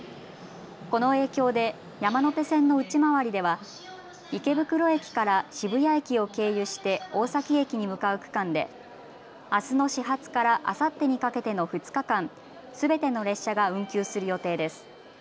この影響で山手線の内回りでは池袋駅から渋谷駅を経由して大崎駅に向かう区間であすの始発からあさってにかけての２日間、すべての列車が運休する予定です。